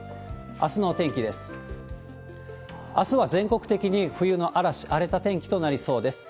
あすは全国的に冬の嵐、荒れた天気となりそうです。